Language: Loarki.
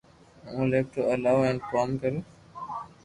ھون ليپ ٽاپ ھلاو ھين ڪوم ڪرو